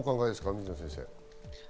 水野先生。